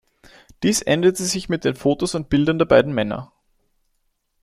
Dies änderte sich mit den Fotos und Bildern der beiden Männer.